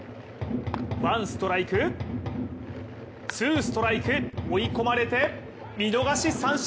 ワンストライク、ツーストライク追い込まれて、見逃し三振。